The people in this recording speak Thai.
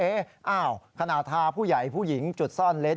เอ๊ะขณะทาผู้ใหญ่ผู้หญิงจุดซ่อนเลนส์